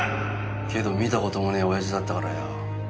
けど見た事もねえオヤジだったからよ。